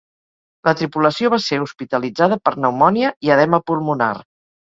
La tripulació va ser hospitalitzada per pneumònia i edema pulmonar.